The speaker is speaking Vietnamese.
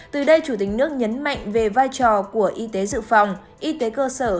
từ đây chủ tịch nước nhấn mạnh về vai trò của y tế dự phòng y tế cơ sở